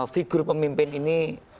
figur pemimpin ini